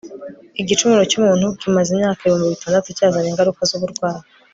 igicumuro cy'umuntu kimaze imyaka ibihumbi bitandatu cyazanye ingaruka z'uburwayi